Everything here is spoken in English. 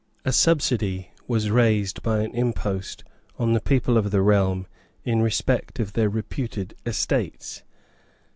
A subsidy was raised by an impost on the people of the realm in respect of their reputed estates.